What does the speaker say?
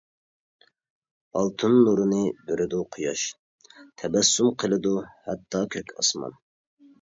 ئالتۇن نۇرىنى بېرىدۇ قۇياش، تەبەسسۇم قىلىدۇ ھەتتا كۆك ئاسمان.